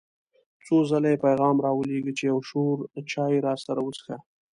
څو ځله یې پیغام را ولېږه چې یو شور چای راسره وڅښه.